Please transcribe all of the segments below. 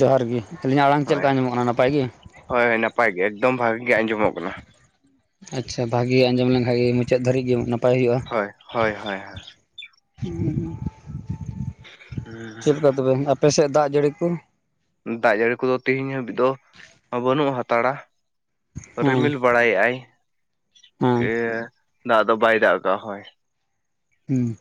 ᱡᱚᱦᱟᱨ ᱜᱮ ᱟᱹᱞᱤᱧᱟᱜ ᱟᱲᱟᱝ ᱪᱮᱫ ᱦᱳᱭ ᱞᱮᱠᱟ ᱟᱡᱚᱢᱚᱜ ᱠᱟᱱᱟ ᱱᱟᱯᱟᱭ ᱜᱤ? ᱦᱳᱭ ᱱᱟᱯᱟᱭ ᱜᱮ ᱮᱠᱫᱚᱢ ᱵᱷᱟᱹᱜᱤ ᱜᱮ ᱟᱸᱡᱚᱢᱚᱜ ᱠᱟᱱᱟ ᱾ ᱟᱪᱪᱷᱟ ᱵᱷᱟᱜᱮ ᱟᱸᱡᱚᱢ ᱞᱮᱱᱠᱷᱟᱡ ᱜᱮ ᱢᱩᱪᱟᱹᱫ ᱫᱷᱟᱹᱨᱤᱡ ᱜᱮ ᱱᱟᱯᱟᱭ ᱦᱩᱭᱩᱜᱼᱟ ᱾ ᱦᱳᱭ ᱦᱳᱭ ᱦᱳᱭ ᱪᱮᱫ ᱞᱮᱠᱟ ᱛᱚᱵᱮ ᱟᱯᱮ ᱥᱮᱫ ᱫᱟᱜ ᱡᱟᱹᱲᱤ ᱠᱚ? ᱫᱟᱜ ᱡᱟᱹᱲᱤ ᱠᱚᱫᱚ ᱛᱤᱦᱤᱧ ᱦᱟᱹᱵᱤᱡ ᱫᱚ ᱵᱟᱹᱱᱩᱜ ᱦᱟᱛᱟᱲᱟ ᱾ ᱦᱮᱸ ᱨᱤᱢᱤᱞ ᱵᱟᱲᱟᱭᱮᱫᱼᱟᱭ ᱦᱮᱸ ᱫᱟᱜ ᱫᱚ ᱵᱟᱭ ᱫᱟᱜ ᱠᱟᱜᱼᱟ ᱦᱳᱭ ᱦᱩᱸ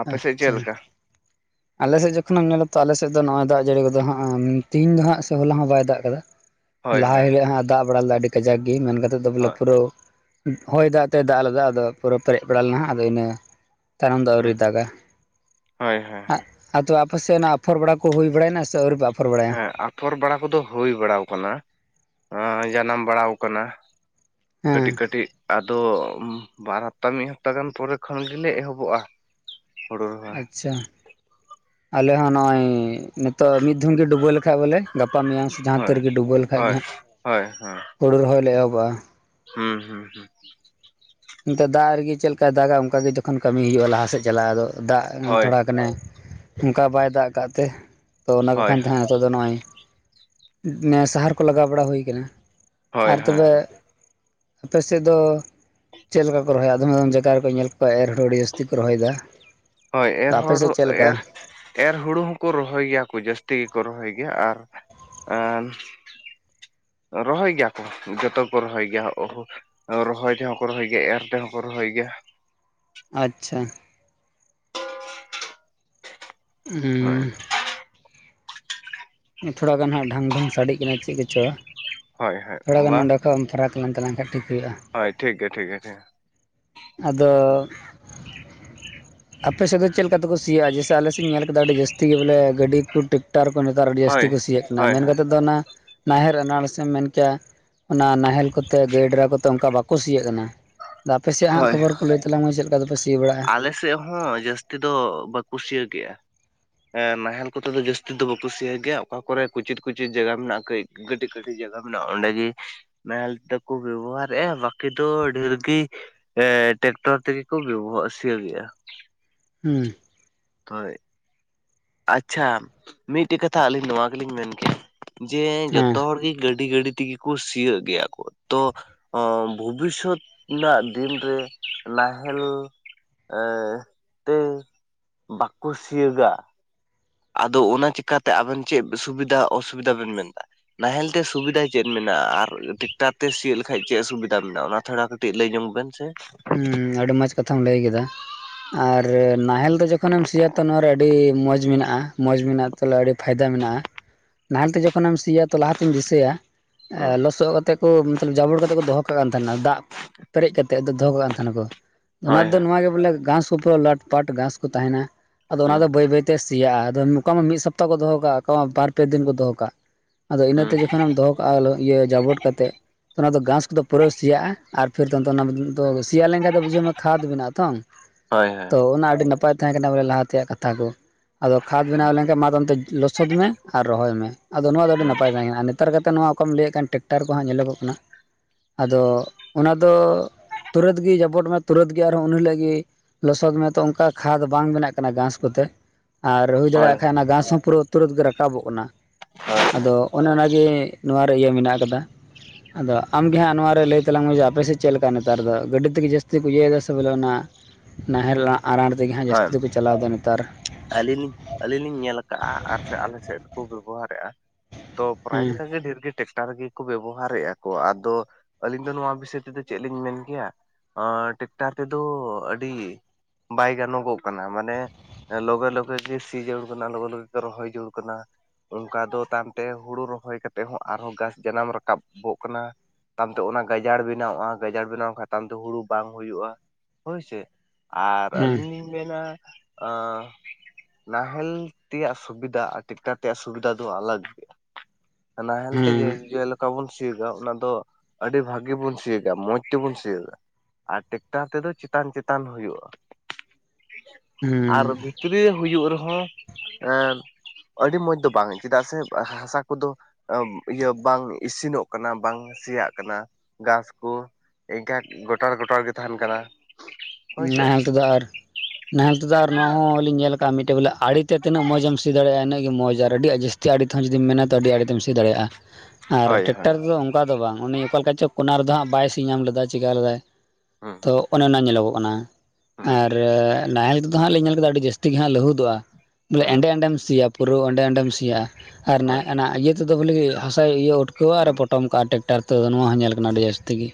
ᱟᱯᱮᱥᱮᱫ ᱪᱮᱫ ᱟᱪᱪᱷᱟ ᱞᱮᱠᱟ [inaudible] ᱟᱞᱮ ᱥᱮᱫ ᱡᱚᱠᱷᱚᱱᱮᱢ ᱧᱮᱞᱟ ᱛᱚ ᱟᱞᱮ ᱥᱮᱫ ᱫᱚ ᱱᱚᱜᱼᱚᱭ ᱫᱟᱜ ᱡᱟᱹᱲᱤ ᱠᱚᱫᱚ ᱦᱟᱸᱜ ᱛᱮᱦᱤᱧ ᱫᱚ ᱦᱟᱸᱜ ᱥᱮ ᱦᱚᱞᱟ ᱦᱚᱸ ᱵᱟᱭ ᱫᱟᱜ ᱠᱟᱫᱟ ᱾ ᱦᱳᱭ ᱞᱟᱦᱟ ᱦᱳᱭ ᱦᱤᱞᱳᱜ ᱦᱟᱸᱜ ᱫᱟᱜ ᱵᱟᱲᱟ ᱞᱮᱫᱟ ᱟᱹᱰᱤ ᱠᱟᱡᱟᱠ ᱜᱮ ᱢᱮᱱ ᱠᱟᱛᱮᱫ ᱫᱚ ᱵᱚᱞᱮ ᱦᱳᱭ ᱯᱩᱨᱟᱹᱣ ᱦᱚᱭ ᱫᱟᱜ ᱛᱚᱭ ᱫᱟᱜ ᱞᱮᱫᱟ ᱟᱫᱚ ᱯᱩᱨᱟᱹ ᱯᱮᱨᱮᱡ ᱯᱟᱲᱟ ᱞᱮᱱᱟ ᱟᱫᱚ ᱤᱱᱟᱹ ᱛᱟᱭᱱᱚᱢ ᱫᱚ ᱟᱹᱣᱨᱤ ᱦᱩᱸ ᱫᱟᱜᱟᱭ ᱦᱳᱭ ᱦᱳᱭ ᱾ ᱟᱫᱚ ᱟᱯᱮ ᱥᱮᱫ ᱚᱱᱟ ᱟᱯᱷᱚᱨ ᱵᱟᱲᱟ ᱠᱚ ᱦᱩᱭ ᱵᱟᱲᱟᱭᱮᱱᱟ ᱥᱮ ᱟᱹᱣᱨᱤ? ᱟᱯᱷᱚᱨ ᱵᱟᱲᱟᱭᱟ? ᱦᱮᱸ ᱟᱯᱷᱚᱨ ᱵᱟᱲᱟ ᱠᱚᱫᱚ ᱦᱩᱭ ᱵᱟᱲᱟ ᱟᱠᱟᱱᱟ, ᱟᱸ ᱡᱟᱱᱟᱢ ᱵᱟᱲᱟ ᱟᱠᱟᱱᱟ ᱾ ᱦᱮᱸ ᱠᱟᱹᱴᱤᱡ ᱠᱟᱹᱴᱤᱡ ᱟᱫᱚ ᱵᱟᱨ ᱦᱟᱯᱛᱟ ᱢᱤᱫ ᱦᱟᱯᱛᱟ ᱜᱟᱱ ᱯᱚᱨᱮ ᱠᱷᱚᱱ ᱜᱮᱞᱮ ᱮᱦᱚᱵᱚᱜᱼᱟ ᱾ ᱟᱪᱪᱷᱟ ᱟᱞᱮ ᱦᱚᱸ ᱱᱚᱜᱼᱚᱭ ᱱᱤᱛᱚᱜ ᱢᱤᱫ ᱫᱷᱚᱢ ᱜᱮ ᱰᱩᱵᱟᱹᱣ ᱞᱮᱠᱷᱟᱡ ᱵᱚᱞᱮ ᱜᱟᱯᱟ ᱜᱟᱯᱟ ᱢᱮᱭᱟᱝ ᱥᱮ ᱡᱟᱦᱟᱸ ᱛᱤ ᱦᱳᱭ ᱨᱮᱜᱮ ᱰᱩᱵᱟᱹᱣ ᱞᱮᱠᱷᱟᱱ ᱜᱮ ᱦᱳᱭ ᱦᱟᱸᱜ ᱦᱳᱭ ᱦᱩᱲᱩ ᱨᱚᱦᱚᱭ ᱞᱮ ᱮᱦᱚᱵᱟ ᱾ ᱦᱩᱸ ᱦᱩᱸ ᱦᱩᱸ ᱮᱱᱛᱮ ᱫᱟᱜ ᱨᱮᱜᱮ ᱪᱮᱫ ᱞᱮᱠᱟᱭ ᱫᱟᱜᱟ ᱚᱱᱠᱟ ᱜᱮ ᱡᱚᱠᱷᱚᱱ ᱠᱟᱹᱢᱤ ᱦᱩᱭᱩᱜᱼᱟ ᱞᱟᱦᱟ ᱥᱮᱫ ᱪᱟᱞᱟᱣ ᱫᱚ ᱾ ᱫᱟᱜ ᱦᱳᱭ ᱦᱳᱭ ᱛᱷᱚᱲᱟ ᱜᱟᱱᱮ ᱚᱱᱠᱟ ᱵᱟᱭ ᱫᱟᱜ ᱠᱟᱜ ᱛᱮ ᱛᱚ ᱚᱱᱟ ᱠᱚ ᱦᱳᱭ ᱠᱷᱟᱱ ᱛᱟᱦᱮᱸ ᱱᱤᱛᱚᱜ ᱫᱚ ᱱᱚᱜᱼᱚᱭ ᱥᱟᱦᱟᱨ ᱠᱚ ᱞᱟᱜᱟᱣ ᱵᱟᱲᱟ ᱦᱩᱭ ᱠᱟᱱᱟ ᱾ ᱦᱳᱭ ᱟᱨ ᱦᱳᱭ ᱛᱚᱵᱮ ᱟᱯᱮ ᱥᱮᱫ ᱫᱚ ᱪᱮᱫ ᱞᱮᱠᱟ ᱠᱚ ᱨᱚᱦᱚᱭᱟ? ᱟᱫᱚᱢ ᱟᱫᱚᱢ ᱡᱟᱭᱜᱟ ᱨᱮᱠᱚ ᱧᱮᱞ ᱠᱚᱣᱟ ᱮᱨᱦᱚᱸ ᱟᱹᱰᱤ ᱡᱟᱹᱥᱛᱤ ᱠᱚ ᱨᱚᱦᱚᱭᱮᱫᱟ ᱾ ᱦᱳᱭ ᱮᱨ ᱦᱚᱲ ᱮᱨ ᱮᱨ ᱦᱩᱲᱩ ᱦᱚᱸᱠᱚ ᱨᱚᱦᱚᱭ ᱜᱮᱭᱟ ᱠᱚ ᱡᱟᱹᱥᱛᱤ ᱜᱮᱠᱚ ᱨᱚᱦᱚᱭ ᱜᱮᱭᱟ ᱟᱨ ᱟᱨ ᱨᱚᱦᱚᱭ ᱜᱮᱭᱟ ᱠᱚ ᱡᱚᱛᱚ ᱠᱚ ᱨᱚᱦᱚᱭ ᱜᱮᱭᱟ ᱚ [inaudible] ᱨᱚᱦᱚᱭ ᱛᱮᱦᱚᱸ ᱠᱚ ᱨᱚᱦᱚᱭ ᱜᱮᱭᱟ ᱮᱨ ᱛᱮᱦᱚᱸ ᱠᱚ ᱨᱚᱦᱚᱭ ᱜᱮᱭᱟ ᱾ ᱟᱪᱪᱷᱟ ᱦᱳᱭ ᱦᱩᱸ ᱛᱷᱚᱲᱟ ᱜᱟᱱ ᱦᱟᱸᱜ ᱰᱷᱟᱝᱰᱷᱚᱝ ᱥᱟᱰᱮᱜ ᱠᱟᱱᱟ ᱪᱮᱫ ᱠᱚᱪᱚ? ᱦᱳᱭ ᱦᱳᱭ ᱛᱷᱚᱲᱟᱜᱟᱱ ᱵᱟᱝ ᱱᱚᱸᱰᱮ ᱠᱷᱚᱡ ᱮᱢ ᱯᱷᱟᱨᱟᱠ ᱞᱮᱱ ᱛᱟᱞᱟᱝ ᱠᱷᱟᱡ ᱴᱷᱤᱠ ᱦᱩᱭᱩᱜᱼᱟ ᱾ ᱦᱳᱭ ᱴᱷᱤᱠ ᱜᱮᱭᱟ ᱴᱷᱤᱠ ᱜᱮᱭᱟ ᱴᱷᱤᱠ ᱜᱮᱭᱟ ᱟᱫᱚ [inaudible] ᱟᱯᱮ ᱥᱮᱫ ᱫᱚ ᱪᱮᱫ ᱞᱮᱠᱟ ᱛᱮᱠᱚ ᱥᱤᱭᱟᱸ ᱡᱮᱥᱮ ᱟᱞᱮ ᱥᱮᱫ ᱤᱧ ᱧᱮᱞ ᱠᱮᱫᱟ ᱟᱹᱰᱤ ᱡᱟᱹᱥᱛᱤ ᱜᱮ ᱵᱚᱞᱮ ᱜᱟᱹᱰᱤ ᱠᱚ ᱴᱨᱟᱠᱴᱟᱨ ᱠᱚ ᱾ ᱟᱨ ᱟᱹᱰᱤ ᱦᱳᱭ ᱡᱟᱹᱥᱛᱤ ᱠᱩ ᱥᱤᱭᱟᱜ ᱠᱟᱱᱟ ᱦᱳᱭ ᱢᱮᱱ ᱦᱳᱭ ᱠᱟᱛᱮᱫ ᱫᱚ ᱚᱱᱟ ᱱᱟᱦᱮᱞ ᱨᱮ ᱮᱱᱟᱱ ᱨᱮᱥᱮᱢ ᱢᱮᱱ ᱠᱮᱭᱟ ᱚᱱᱟ ᱱᱟᱦᱮᱞ ᱠᱚᱛᱮ ᱜᱟᱹᱭ ᱰᱟᱝᱜᱨᱟ ᱠᱚᱛᱮ ᱚᱱᱠᱟ ᱵᱟᱠᱚ ᱥᱤᱭᱚᱜ ᱠᱟᱱᱟ ᱾ ᱟᱯᱮᱥᱮᱭᱟᱜ ᱦᱟᱸᱜ ᱦᱳᱭ ᱠᱷᱚᱵᱚᱨ ᱠᱚ ᱞᱟᱹᱭ ᱛᱟᱞᱟᱝ ᱢᱮ ᱪᱮᱫ ᱞᱮᱠᱟᱯᱮ ᱥᱤ ᱵᱟᱲᱟᱜᱼᱟ? ᱟᱞᱮ ᱥᱮᱫ ᱦᱚᱸ ᱡᱟᱹᱥᱛᱤ ᱫᱚ ᱵᱟᱠᱚ ᱥᱤᱭᱚᱜ ᱜᱮᱭᱟ ᱱᱟᱦᱮᱞ ᱠᱚᱛᱮ ᱫᱚ ᱡᱟᱹᱥᱛᱤ ᱫᱚ ᱵᱟᱝᱠᱚ ᱥᱤᱭᱟᱜ ᱜᱮᱭᱟ ᱚᱠᱟ ᱠᱚᱨᱮ ᱠᱩᱪᱤᱫ ᱠᱩᱪᱤᱫ ᱡᱟᱭᱜᱟ ᱢᱮᱱᱟᱜᱼᱟ ᱠᱟᱹᱡ ᱠᱟᱹᱴᱤᱡ ᱠᱟᱹᱴᱤᱡ ᱡᱟᱭᱜᱟ ᱢᱮᱱᱟᱜᱼᱟ ᱚᱸᱰᱮ ᱜᱮ ᱱᱟᱦᱮᱞ ᱛᱟᱠᱚ ᱵᱮᱵᱚᱦᱟᱨᱮᱫᱼᱟ ᱵᱟᱠᱤ ᱫᱚ ᱰᱷᱮᱨ ᱜᱮ ᱮ ᱴᱨᱟᱠᱴᱚᱨ ᱛᱮᱜᱮ ᱠᱚ ᱵᱮᱵᱚᱦᱟᱨ ᱥᱤᱭᱳᱜ ᱮᱼᱟ ᱦᱳᱭ ᱦᱳᱭ ᱟᱪᱪᱷᱟ ᱢᱤᱫᱴᱮᱡ ᱠᱟᱛᱷᱟ ᱟᱹᱞᱤᱧ ᱱᱚᱣᱟ ᱜᱮᱞᱤᱧ ᱢᱮᱱ ᱠᱮᱭᱟ ᱡᱮ ᱦᱮᱸ ᱡᱚᱛᱚ ᱦᱚᱲ ᱜᱮ ᱜᱟᱹᱰᱤ ᱜᱟᱹᱰᱤ ᱛᱮᱜᱮ ᱠᱚ ᱥᱤᱭᱳᱜ ᱜᱮᱭᱟ ᱠᱚ ᱛᱚ ᱵᱷᱚᱵᱤᱥᱥᱚᱛ ᱨᱮᱱᱟᱜ ᱫᱤᱱᱨᱮ ᱱᱟᱦᱮᱞ ᱮ ᱛᱮ ᱵᱟᱝᱠᱚ ᱥᱤᱭᱟᱹᱜᱟ ᱟᱫᱚ ᱚᱱᱟ ᱪᱤᱠᱠᱟᱛᱮ ᱟᱵᱮᱱ ᱪᱮᱫ ᱥᱩᱵᱤᱫᱟ ᱚᱥᱩᱵᱤᱫᱟ ᱵᱮᱱ ᱢᱮᱱ ᱮᱫᱟ ᱱᱟᱦᱮᱞ ᱛᱮ ᱥᱩᱵᱤᱫᱟ ᱪᱮᱫ ᱢᱮᱱᱟᱜᱼᱟ ᱟᱨ ᱴᱮᱠᱴᱟᱨ ᱛᱮ ᱥᱤᱭᱳᱜ ᱞᱮᱠᱷᱟᱡ ᱪᱮᱫ ᱥᱩᱵᱤᱫᱟ ᱢᱮᱱᱟᱜᱼᱟ ᱚᱱᱟ ᱛᱷᱟᱲᱟᱛ ᱠᱟᱹᱴᱤᱡ ᱞᱟᱹᱭ ᱧᱚᱜ ᱵᱮᱱ ᱥᱮ ᱦᱮᱸ ᱟᱹᱰᱤ ᱢᱚᱸᱡᱽ ᱠᱟᱛᱷᱟᱢ ᱞᱟᱹᱭ ᱠᱮᱫᱟ ᱟᱨ ᱱᱟᱦᱮᱞ ᱫᱚ ᱡᱚᱠᱷᱚᱱᱮᱢ ᱥᱤᱭᱟ ᱛᱚ ᱱᱚᱭᱟᱨᱮ ᱟᱹᱰᱤ ᱢᱚᱸᱡᱽ ᱢᱮᱱᱟᱜᱼᱟ ᱢᱚᱸᱡᱽ ᱢᱮᱱᱟᱜᱼᱟ ᱵᱚᱞᱮ ᱟᱹᱰᱤ ᱯᱷᱟᱭᱫᱟ ᱢᱮᱱᱟᱜᱼᱟ ᱱᱟᱦᱮᱞᱛᱮ ᱡᱚᱠᱷᱚᱱ ᱛᱚ ᱠᱷᱮᱛᱮᱢ ᱥᱤᱭᱟ ᱛᱚ ᱞᱟᱦᱟᱛᱮᱧ ᱫᱤᱥᱟᱹᱭᱟ ᱞᱚᱥᱚᱫ ᱠᱟᱛᱮ ᱠᱚ ᱡᱟᱵᱚᱴ ᱠᱟᱛᱮ ᱠᱚ ᱫᱚᱦᱚ ᱠᱟᱜ ᱱᱟ ᱫᱟᱜ ᱯᱮᱨᱮᱡ ᱠᱟᱛᱮᱫ ᱫᱚᱦᱚ ᱠᱟᱜ ᱠᱟᱱ ᱛᱟᱦᱮᱱᱟᱠᱚ ᱚᱱᱟ ᱦᱳᱭ ᱫᱚ ᱦᱟᱸᱜ ᱱᱚᱣᱟ ᱜᱮ ᱵᱚᱞᱮ ᱜᱷᱟᱸᱥ ᱩᱯᱟᱹ ᱞᱟᱴ ᱯᱟᱴ ᱜᱷᱟᱸᱥ ᱠᱚ ᱛᱟᱦᱮᱱᱟ ᱟᱫᱚ ᱚᱱᱟ ᱦᱩᱸ ᱫᱚ ᱵᱟᱹᱭ ᱵᱟᱹᱭᱛᱮ ᱛᱮ ᱥᱮᱭᱟᱜᱼᱟ ᱟᱫᱚ ᱚᱠᱟ ᱢᱟ ᱢᱤᱫ ᱥᱚᱯᱛᱟᱦᱚ ᱠᱚ ᱫᱚᱦᱚ ᱠᱟᱜᱼᱟ ᱚᱠᱟ ᱢᱟ ᱵᱟᱨ ᱯᱮ ᱫᱤᱱ ᱠᱚ ᱫᱚᱦᱚ ᱠᱟᱜᱼᱟ ᱟᱫᱚ ᱦᱩᱸ ᱤᱱᱟᱹᱛᱮ ᱡᱚᱠᱷᱚᱱᱮᱢ ᱫᱚᱦᱚ ᱠᱟᱜᱼᱟ ᱤᱭᱟᱹ ᱡᱟᱵᱚᱴ ᱠᱟᱛᱮᱜ ᱛ ᱚᱱᱟ ᱫᱚ ᱜᱷᱟᱥ ᱠᱚᱫᱚ ᱯᱩᱨᱟᱹᱥᱮᱭᱟᱜᱼᱟ ᱟᱨ ᱯᱷᱤᱨ ᱛ ᱚᱱᱟ ᱛᱚ ᱥᱮᱭᱟ ᱞᱮᱱᱠᱷᱷᱟᱡ ᱫᱚ ᱵᱩᱡᱷᱟᱹᱣ ᱢᱮ ᱠᱷᱟᱫ ᱵᱮᱱᱟᱜ ᱟᱛᱚ ᱦᱳᱭ ᱦᱳᱭ ᱛᱚ ᱚᱱᱟ ᱟᱹᱰᱤ ᱱᱟᱯᱟᱭ ᱛᱟᱦᱮᱸ ᱠᱟᱱᱟ ᱵᱚᱞᱮ ᱞᱟᱦᱟ ᱛᱮᱭᱟᱜ ᱠᱟᱛᱷᱟ ᱠᱚ ᱟᱫᱚ ᱠᱷᱟᱫᱽ ᱵᱮᱱᱟᱣ ᱦᱩᱸ ᱞᱮᱱᱠᱷᱟᱱ ᱢᱟ ᱚᱱᱛᱮ ᱞᱚᱥᱚᱫ ᱢᱮ ᱟᱨ ᱨᱚᱦᱚᱭ ᱢᱮ ᱟᱫᱚ ᱱᱚᱣᱟ ᱫᱚ ᱟᱹᱰᱤ ᱦᱩᱸ ᱱᱟᱯᱟᱭ ᱛᱟᱦᱮᱸ ᱠᱟᱱᱟ ᱞᱟᱛᱟᱨ ᱠᱟᱛᱮᱫ ᱱᱚᱣᱟ ᱠᱚᱢ ᱞᱟᱹᱭᱮᱫ ᱠᱟᱱ ᱴᱮᱠᱴᱟᱨ ᱠᱚᱦᱜ ᱧᱮᱞᱚᱜᱚᱜ ᱠᱟᱱᱟ ᱟᱫᱚ ᱚᱱᱟ ᱫᱚ ᱛᱩᱨᱟᱹᱛ ᱜᱮ ᱡᱟᱯᱚᱴ ᱢᱮ ᱛᱩᱨᱟᱹᱛ ᱜᱮ ᱟᱨᱦᱚᱸ ᱩᱱ ᱦᱤᱞᱚᱜ ᱜᱮ ᱞᱚᱥᱚᱫ ᱢᱮᱛᱚ ᱚᱱᱠᱟ ᱠᱷᱟᱫᱽ ᱵᱟᱝ ᱵᱮᱱᱟᱜ ᱠᱟᱱᱟ ᱜᱷᱟᱸᱥ ᱠᱚᱛᱮ ᱟᱨ ᱦᱩᱭ ᱦᱳᱭ ᱫᱟᱲᱮᱭᱟᱜ ᱠᱷᱟᱱ ᱚᱱᱟ ᱜᱷᱟᱥ ᱦᱚᱸ ᱯᱩᱨᱟᱹ ᱛᱩᱨᱟᱹᱛ ᱜᱮ ᱨᱟᱠᱟᱵᱚᱜ ᱠᱟᱱᱟ ᱦᱚᱭ ᱟᱫᱚ ᱚᱱᱮ ᱚᱱᱟᱜᱮ ᱱᱚᱣᱟ ᱨᱮ ᱤᱭᱟᱹ ᱢᱮᱱᱟᱜ ᱟᱠᱟᱫᱟ ᱟᱫᱚ ᱟᱢᱜᱮ ᱦᱟᱸᱜ ᱱᱚᱣᱟᱣ ᱨᱮ ᱞᱟᱹᱭ ᱛᱟᱞᱟᱝ ᱢᱮ ᱟᱯᱮᱥᱮᱫ ᱪᱮᱫ ᱞᱮᱠᱟ ᱱᱮᱛᱟᱨ ᱫᱚ ᱜᱟᱹᱰᱤ ᱛᱮᱜᱮ ᱡᱟᱹᱥᱛᱤ ᱠᱚ ᱤᱭᱟᱹᱭᱮᱫᱟ ᱥᱮ ᱵᱚᱞᱮ ᱚᱱᱟ ᱱᱟᱦᱮᱞ ᱟᱨᱟᱝ ᱛᱮᱜᱮ ᱦᱟᱸᱜ ᱦᱳᱭ ᱡᱟᱹᱥᱛᱤ ᱫᱚᱠᱚ ᱪᱟᱞᱟᱣᱮᱫᱟ ᱱᱮᱛᱟᱨ ᱟᱹᱞᱤᱧ ᱞᱤᱧ ᱟᱹᱞᱤᱧ ᱞᱤᱧ ᱧᱮᱞ ᱟᱠᱟᱟᱜᱼᱟ ᱟᱨ ᱥᱮ ᱟᱞᱮ ᱥᱮᱫᱠᱚ ᱵᱮᱵᱚᱦᱟᱨᱮᱫᱼᱟ ᱛᱚ ᱯᱨᱚᱨᱟᱭ ᱦᱮᱸ ᱞᱮᱠᱟᱜᱮ ᱰᱷᱮᱨ ᱜᱮ ᱴᱮᱠᱴᱟᱨᱜᱤ ᱠᱚ ᱵᱮᱵᱚᱦᱟᱨᱮᱫᱼᱟ ᱠᱚ ᱟᱫᱚ ᱟᱹᱞᱤᱧ ᱫᱚ ᱱᱚᱣᱟ ᱵᱤᱥᱚᱭ ᱛᱮᱫᱚ ᱪᱮᱫ ᱞᱤᱧ ᱢᱮᱱ ᱠᱮᱭᱟ ᱴᱮᱠᱴᱟᱨ ᱛᱮᱫᱚ ᱟᱹᱰᱤ ᱧᱮᱞᱚᱜᱚᱜ ᱠᱟᱱᱟ ᱢᱟᱱᱮ ᱞᱚᱜᱮ ᱞᱚᱜᱮ ᱜᱮ ᱥᱤ ᱡᱟᱹᱨᱩᱲ ᱠᱟᱱᱟ ᱞᱚᱜᱮ ᱞᱮ ᱜᱮ ᱨᱚᱦᱚᱭ ᱡᱩᱲ ᱠᱟᱱᱟ ᱚᱱᱠᱟ ᱫᱚ ᱛᱟᱭᱚᱢᱛᱮ ᱦᱩᱲᱩ ᱨᱚᱦᱚᱭ ᱠᱟᱛᱮᱫ ᱦᱚᱸ ᱟᱨᱦᱚᱸ ᱜᱷᱟᱥ ᱡᱟᱱᱟᱢ ᱨᱟᱠᱟᱵᱚᱜ ᱠᱟᱱᱟ ᱛᱟᱭᱚᱢᱛᱮ ᱚᱱᱟ ᱜᱟᱡᱟᱲ ᱵᱮᱱᱟᱣᱼᱟ ᱜᱟᱡᱟᱲ ᱵᱮᱱᱟᱣ ᱞᱮᱠᱷᱟᱱ ᱛᱮ ᱦᱩᱲᱩ ᱵᱟᱝ ᱦᱩᱭᱩᱜᱼᱟ ᱦᱳᱭᱥᱮ ᱟᱨ ᱦᱮᱸ ᱟᱹᱞᱤᱧ ᱞᱤᱧ ᱢᱮᱱᱟ ᱱᱟᱦᱮᱞ ᱛᱮᱭᱟᱜ ᱥᱩᱵᱤᱫᱷᱟ ᱟᱨ ᱴᱟᱠᱴᱟᱨ ᱛᱮᱭᱟᱜ ᱥᱩᱵᱤᱫᱷᱟ ᱫᱚ ᱟᱞᱟᱜ ᱜᱮᱭᱟ ᱱᱟᱦᱮᱞ ᱦᱮᱸ ᱛᱮᱜᱮ ᱚᱠᱟ ᱵᱚᱱ ᱥᱤᱭᱳᱜᱼᱟ ᱚᱱᱟ ᱫᱚ ᱟᱹᱰᱤ ᱵᱷᱟᱹᱜᱤ ᱵᱚᱱ ᱥᱤᱭᱳᱜᱼᱟ ᱢᱚᱸᱡᱽ ᱛᱮᱵᱚᱱ ᱥᱤᱭᱳᱜᱼᱟ ᱟᱨ ᱴᱮᱠᱴᱟᱨ ᱛᱮᱫᱚ ᱪᱮᱛᱟᱱ ᱪᱮᱛᱟᱱ ᱦᱳᱭᱳᱜᱼᱟ ᱦᱮᱸ ᱟᱨ ᱵᱷᱤᱛᱨᱤ ᱦᱩᱭᱩᱜ ᱨᱮ ᱦᱚᱸ ᱟᱹᱰᱤ ᱢᱚᱡᱽ ᱫᱚ ᱵᱟᱝ ᱪᱮᱫ ᱟᱜ ᱥᱮ ᱦᱟᱥᱟ ᱠᱚ ᱫᱚ ᱤᱭᱟᱹ ᱵᱟᱝ ᱤᱥᱤᱱᱚᱜ ᱠᱟᱱᱟ ᱵᱟᱝ ᱥᱮᱭᱟᱜ ᱠᱟᱱᱟ ᱜᱷᱟᱥ ᱠᱚ ᱮᱱᱠᱷᱟᱱ ᱜᱚᱴᱟᱞ ᱜᱚᱴᱟᱞ ᱜᱮ ᱛᱟᱦᱮᱱ ᱠᱟᱱᱟ ᱦᱳᱭ ᱥᱮ ᱱᱟᱦᱮᱞ ᱛᱮᱫᱚ ᱟᱨ ᱱᱟᱦᱮᱞ ᱛᱮᱫᱚ ᱟᱨ ᱱᱚᱣᱟ ᱦᱚᱸ ᱞᱤᱧ ᱧᱮᱞ ᱟᱠᱟᱫᱼᱟ ᱢᱤᱫ ᱴᱮᱡ ᱵᱚᱞᱮ ᱟᱲᱮ ᱛᱮ ᱛᱤᱱᱟᱹᱜ ᱢᱚᱸᱡᱽ ᱮ ᱥᱤ ᱫᱟᱲᱮᱭᱟᱜᱼᱟ ᱤᱱᱟᱹᱜ ᱢᱚᱸᱡᱽ ᱟᱹᱰᱤ ᱡᱟᱹᱥᱛᱤ ᱟᱲᱮ ᱛᱮᱦᱚᱸ ᱢᱮᱱᱟ ᱛᱚ ᱟᱹᱰᱤ ᱟᱲᱮ ᱛᱮᱢ ᱥᱤ ᱫᱟᱲᱮᱭᱟᱜᱼᱟ ᱟᱨ ᱦᱳᱭ ᱦᱳᱭ ᱴᱮᱠᱴᱟᱨ ᱛᱮᱫᱚ ᱚᱱᱠᱟ ᱫᱚ ᱵᱟᱝ ᱩᱱᱤ ᱚᱠᱟ ᱞᱮᱠᱟ ᱪᱚ ᱠᱚᱱᱟ ᱨᱮᱫᱚ ᱦᱟᱸᱜ ᱵᱟᱭ ᱥᱤ ᱧᱟᱢ ᱞᱮᱫᱟ ᱪᱮᱠᱟ ᱞᱮᱫᱟᱭ ᱦᱩᱸ ᱛᱚ ᱚᱱᱮ ᱚᱱᱟ ᱧᱮᱞᱚᱜᱚᱜ ᱠᱟᱱᱟ ᱦᱩᱸ ᱟᱨ ᱱᱟᱦᱮᱞ ᱫᱚ ᱦᱟᱸᱜ ᱞᱤᱧ ᱧᱮᱞ ᱠᱮᱫᱟ ᱟᱹᱰᱤ ᱡᱟᱹᱛᱤ ᱜᱮ ᱦᱟᱸᱜ ᱞᱟᱹᱦᱩᱫᱚᱜᱼᱟ ᱵᱚᱞᱮ ᱦᱩᱸ ᱮᱸᱰᱮ ᱮᱸᱰᱮᱢ ᱥᱤᱭᱟ ᱯᱩᱨᱟᱹ ᱮᱸᱰᱮ ᱮᱸᱰᱮᱢ ᱥᱤᱭᱟ ᱟᱨ ᱱᱟ ᱦᱳᱭ ᱚᱱᱟ ᱤᱭᱟᱹ ᱛᱮᱫᱚ ᱵᱚᱞᱮ ᱦᱟᱥᱟᱭ ᱤᱭᱟᱹ ᱩᱴᱠᱟᱹᱣᱟ ᱟᱨ ᱦᱩᱸ ᱯᱚᱴᱚᱢᱟ ᱴᱮᱠᱴᱟᱨ ᱛᱮ ᱱᱚᱣᱟ ᱦᱚᱸ ᱧᱮᱞ ᱠᱟᱱᱟ ᱟᱹᱰᱤ ᱡᱟᱹᱥᱛᱤ ᱜᱮ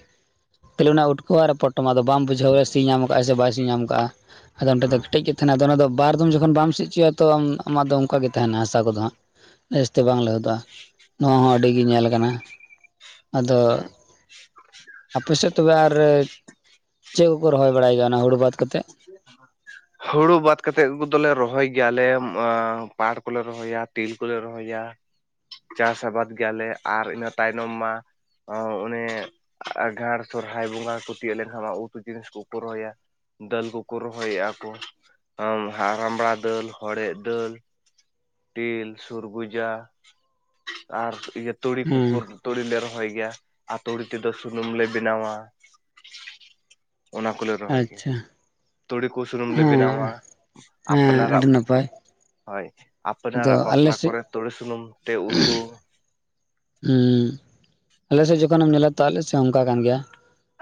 ᱠᱷᱟᱹᱞᱤ ᱚᱱᱟ ᱩᱴᱠᱟᱹᱣᱟ ᱟᱨ ᱯᱚᱴᱚᱢᱟ ᱫᱚ ᱵᱟᱢ ᱵᱩᱡᱷᱟᱹᱜ ᱥᱤ ᱧᱟᱢ ᱠᱟᱜᱼᱟ ᱥᱮ ᱵᱟᱭ ᱥᱤ ᱧᱟᱢ ᱠᱟᱜᱼᱟ ᱟᱫᱚ ᱚᱸᱰᱮ ᱫᱚ ᱦᱩᱸ ᱠᱮᱴᱮᱡ ᱜᱮ ᱛᱟᱦᱮᱱᱟ ᱟᱫᱚ ᱚᱱᱟ ᱫᱚ ᱵᱟᱨ ᱫᱚᱢ ᱡᱚᱠᱷᱚᱱ ᱵᱟᱢ ᱥᱤ ᱦᱚᱪᱚᱭᱟ ᱛᱚ ᱟᱢᱟᱜ ᱫᱚ ᱚᱱᱠᱟᱜ ᱜᱮ ᱛᱟᱦᱮᱱᱟ ᱦᱟᱥᱟ ᱠᱚᱫᱚ ᱦᱟᱸᱜ ᱵᱮᱥ ᱛᱮ ᱵᱟᱝ ᱞᱟᱹᱦᱩᱫᱚᱜᱼᱟ ᱱᱚᱣᱟ ᱦᱚᱸ ᱟᱹᱰᱤ ᱜᱮ ᱧᱮᱞ ᱟᱠᱟᱱᱟ [inaudible] ᱟᱯᱮ ᱥᱮᱫ ᱛᱚᱵᱮ ᱟᱨ ᱪᱮᱫ ᱠᱚᱠᱚ ᱨᱚᱦᱚᱭ ᱵᱟᱲᱟᱭ ᱜᱮᱭᱟ ᱚᱱᱟ ᱦᱳᱲᱳ ᱵᱟᱫᱽ ᱠᱟᱛᱮᱫ ᱦᱳᱲᱳ ᱵᱟᱫᱽ ᱠᱟᱛᱮ ᱠᱚᱫᱚᱞᱮ ᱨᱚᱦᱚᱭ ᱜᱮᱭᱟ ᱞᱮ ᱯᱟᱴ ᱠᱚ ᱞᱮ ᱨᱚᱦᱚᱭᱟ ᱛᱤᱞ ᱠᱚᱞᱮ ᱨᱚᱦᱚᱭᱟ ᱪᱟᱥ ᱟᱵᱟᱫᱽ ᱜᱮᱭᱟ ᱞᱮ ᱟᱨ ᱤᱱᱟᱹ ᱛᱟᱭᱱᱚᱢ ᱢᱟ ᱚᱱᱮ ᱟᱸᱜᱷᱟᱲ ᱥᱚᱨᱦᱟᱭ ᱵᱚᱸᱜᱟ ᱠᱚ ᱛᱤᱭᱳᱜ ᱞᱮᱱᱠᱷᱟᱱ ᱢᱟ ᱩᱛᱩ ᱡᱤᱱᱤᱥ ᱠᱚ ᱠᱚ ᱨᱚᱦᱚᱭᱟ ᱫᱟᱹᱞ ᱠᱚᱠᱚ ᱨᱚᱦᱚᱭᱮᱜ-ᱟ ᱠᱚ ᱨᱟᱢᱲᱟ ᱫᱟᱹᱞ ᱦᱚᱲᱮᱫ ᱫᱟᱹᱞ ᱛᱤᱞ ᱥᱩᱨᱜᱩᱡᱟ ᱟᱨ ᱤᱭᱟᱹ ᱛᱩᱲᱤ ᱦᱮᱸ ᱠᱚᱠᱚ ᱛᱩᱲᱤ ᱞᱮ ᱨᱚᱦᱚᱭ ᱜᱮᱭᱟ ᱟᱨ ᱛᱩᱲᱤ ᱛᱮᱫᱚ ᱥᱩᱱᱩᱢ ᱞᱮ ᱵᱮᱱᱟᱣᱟ ᱚᱱᱟ ᱠᱚᱞᱮ ᱨᱚᱦᱚᱭ ᱜᱮᱭᱟ ᱟᱪᱪᱷᱟ ᱛᱩᱲᱤ ᱠᱚ ᱥᱩᱱᱩᱢ ᱞᱮ ᱵᱮᱱᱟᱣᱟ ᱦᱮᱸ ᱦᱮᱸ ᱟᱯᱱᱟᱨᱟᱜ ᱟᱹᱰᱤ ᱱᱟᱯᱟᱭ ᱦᱳᱭ ᱟᱫᱚ ᱟᱯᱱᱟᱨᱟᱜ ᱟᱞᱮ ᱵᱟᱯᱞᱟ ᱥᱮᱫ ᱠᱚᱨᱮ ᱛᱩᱲᱤ ᱥᱩᱱᱩᱢ ᱛᱮ ᱩᱛᱩ ᱦᱮᱸ ᱟᱞᱮ ᱥᱮᱫ ᱡᱚᱠᱷᱚᱱᱮᱢ ᱧᱮᱞᱟ ᱛᱚ ᱟᱞᱮ ᱥᱮᱫ ᱦᱚᱸ ᱚᱱᱠᱟ ᱠᱟᱱ ᱜᱮᱭᱟ